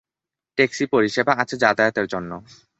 Taxi পরিসেবা আছে যাতায়াতের জন্য।